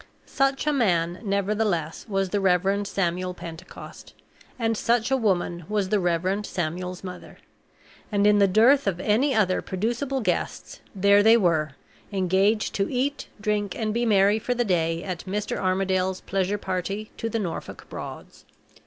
Such a man, nevertheless, was the Reverend Samuel Pentecost, and such a woman was the Reverend Samuel's mother; and in the dearth of any other producible guests, there they were, engaged to eat, drink, and be merry for the day at Mr. Armadale's pleasure party to the Norfolk Broads.